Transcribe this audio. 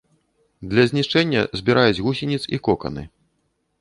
Для знішчэння збіраюць гусеніц і коканы.